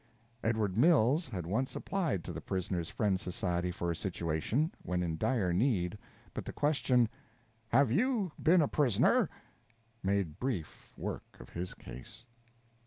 Edward Mills had once applied to the Prisoner's Friend Society for a situation, when in dire need, but the question, "Have you been a prisoner?" made brief work of his case.